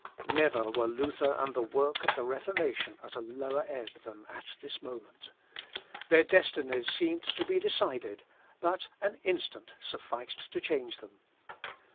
Never were Luther and the work of the Reformation at a lower ebb than at this moment. Their destinies seemed to be decided; but an instant sufficed to change them.